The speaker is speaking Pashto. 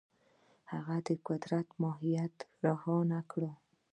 هغه د قدرت ماهیت روښانه کړ.